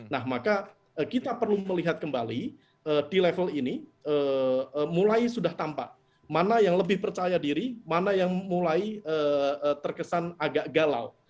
nah maka kita perlu melihat kembali di level ini mulai sudah tampak mana yang lebih percaya diri mana yang mulai terkesan agak galau